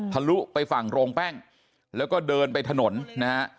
ลุไปฝั่งโรงแป้งแล้วก็เดินไปถนนนะฮะ